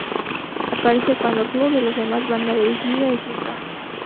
Aparece cuando Cloud y los demás van al edificio de Shinra.